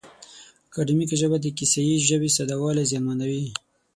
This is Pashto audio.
اکاډیمیکه ژبه د کیسه یي ژبې ساده والی زیانمنوي.